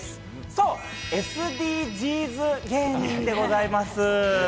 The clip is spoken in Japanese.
そう、ＳＤＧｓ芸人でございます。